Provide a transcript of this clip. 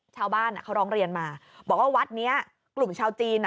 ชาวบ้านเขาร้องเรียนมาบอกว่าวัดนี้กลุ่มชาวจีนอ่ะ